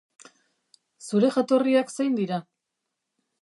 Zure jatorriak zein dira?